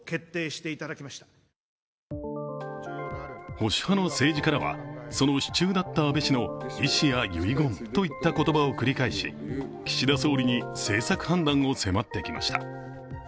保守派の政治家らは、その支柱だった安倍氏の遺志や遺言といった言葉を繰り返し、岸田総理に政策判断を迫ってきました。